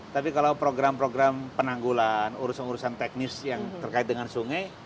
tapi kalau program program penanggulan urusan urusan teknis yang terkait dengan sungai